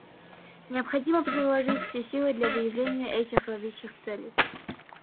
Необходимо приложить все силы для выявления этих зловещих целей.